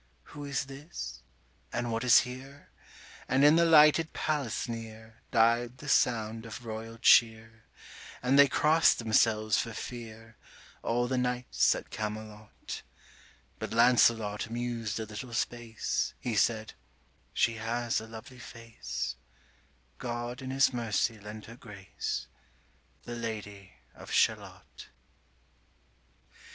Who is this? and what is here? And in the lighted palace near Died the sound of royal cheer; 165 And they cross'd themselves for fear, All the knights at Camelot: But Lancelot mused a little space; He said, 'She has a lovely face; God in His mercy lend her grace, 170 The Lady of Shalott.